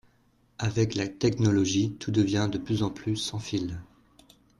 Avec la technologie tout devient de plus en plus sans fil